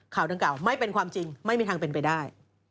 ดังกล่าไม่เป็นความจริงไม่มีทางเป็นไปได้